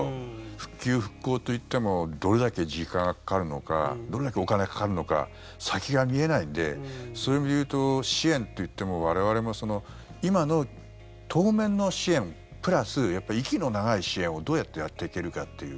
復旧・復興といってもどれだけ時間がかかるのかどれだけお金がかかるのか先が見えないのでそういう意味で言うと支援といっても我々も今の当面の支援プラス息の長い支援をどうやってやっていけるかという。